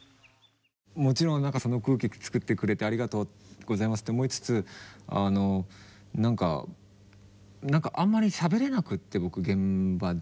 もちろん何かその空気作ってくれてありがとうございますって思いつつ何か何かあんまりしゃべれなくって僕現場で。